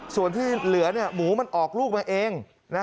ส่วนที่เหลือหมูมันออกลูกมาเอง